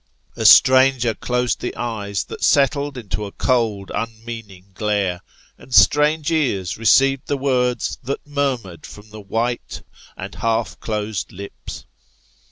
A stranger closed the eyes that settled into a cold unmeaning glare, and strange ears received the words that murmured from the white and half closed lips.